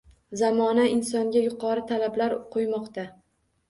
Zamona insonga yuqori talablar qo‘ymoqda.